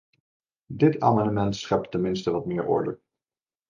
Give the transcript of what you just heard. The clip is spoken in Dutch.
Dit amendement schept tenminste wat meer orde.